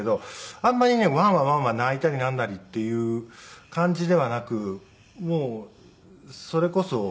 あんまりねわんわんわんわん泣いたりなんなりっていう感じではなくもうそれこそ。